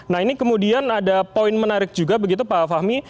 nah ini kemudian ada poin menarik juga begitu pak fahmi